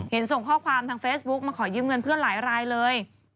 ส่งข้อความทางเฟซบุ๊กมาขอยืมเงินเพื่อนหลายรายเลย